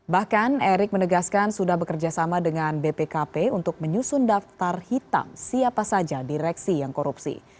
bahkan erick menegaskan sudah bekerja sama dengan bpkp untuk menyusun daftar hitam siapa saja direksi yang korupsi